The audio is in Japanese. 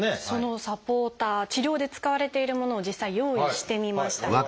そのサポーター治療で使われているものを実際用意してみました。